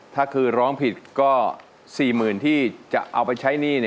ถ้าคือร้องผิดก็๔๐๐๐ที่จะเอาไปใช้หนี้